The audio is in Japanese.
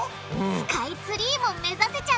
スカイツリーも目指せちゃうかも？